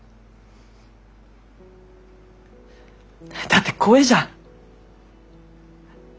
だって怖えじゃん。